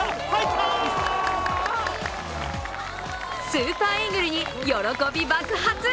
スーパーイーグルに喜び爆発。